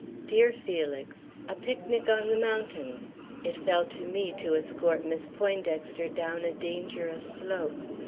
DEAR FELIX: A picnic on the mountains. It fell to me to escort Miss Poindexter down a dangerous slope.